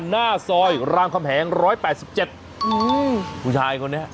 หน้าซอยรามคำแหงร้อยแปดสิบเจ็ดอืมผู้ชายคนเนี้ย